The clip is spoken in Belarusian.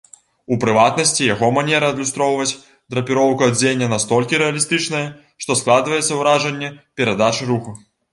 У прыватнасці, яго манера адлюстроўваць драпіроўку адзення настолькі рэалістычная, што складваецца ўражанне перадачы руху.